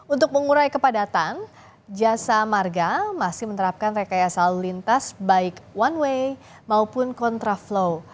untuk mengurai kepadatan jasa marga masih menerapkan rekayasa lalu lintas baik one way maupun kontraflow